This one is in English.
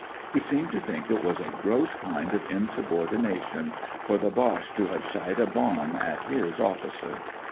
He seemed to think it was a gross kind of insubordination for the Boche to have shied a bomb at his officer.